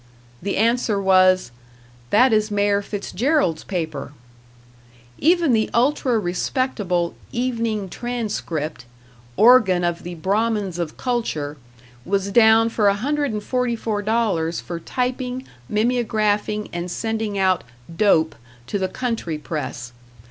the answer was, "That is Mayor Fitzgerald's paper." Even the ultra respectable "Evening Transcript", organ of the Brahmins of culture, was down for $144 for typing, mimeographing and sending out "dope" to the country press.